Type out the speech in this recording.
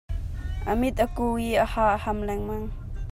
A mit a ku i a ha a ham lengmang.